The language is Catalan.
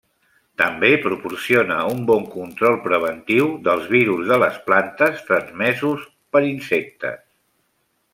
També proporciona un bon control preventiu dels virus de les plantes transmesos per insectes.